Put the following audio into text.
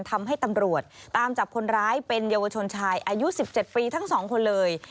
ทำให้ตำรวจตามจับคนร้ายเป็นเยาวชนชายอายุ๑๗ปีทั้งสองคนเลย